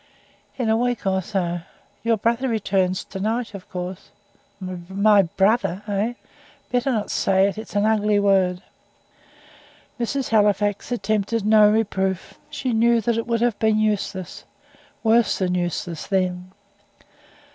"In a week or so. Your brother returns to night, of course." "My BROTHER, eh? Better not say it it's an ugly word." Mrs. Halifax attempted no reproof; she knew that it would have been useless worse than useless then.